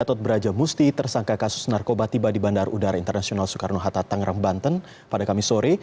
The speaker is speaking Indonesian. gatot brajamusti tersangka kasus narkoba tiba di bandar udara internasional soekarno hatta tangerang banten pada kamis sore